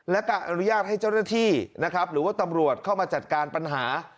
และการอนุญาตให้เจ้าหน้าที่นะครับหรือว่าตำรวจเข้ามาจัดการปัญหา